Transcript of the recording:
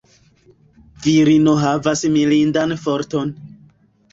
Virino havas mirindan forton.